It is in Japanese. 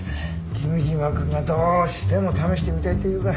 君嶋くんがどうしても試してみたいって言うから。